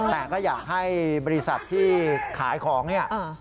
แต่ก็อยากให้บริษัทที่ขายของเนี่ย